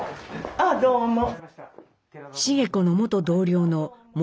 あどうも。